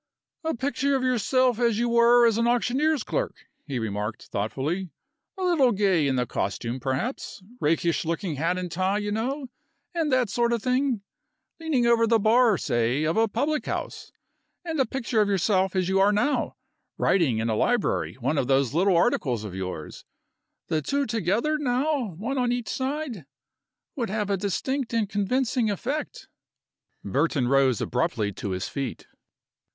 "A picture of yourself as you were as an auctioneer's clerk," he remarked, thoughtfully, "a little gay in the costume, perhaps, rakish looking hat and tie, you know, and that sort of thing, leaning over the bar, say, of a public house and a picture of yourself as you are now, writing in a library one of those little articles of yours the two together, now, one each side, would have a distinct and convincing effect." Burton rose abruptly to his feet.